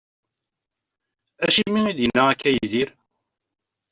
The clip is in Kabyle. Acimi i d-yenna akka Yidir?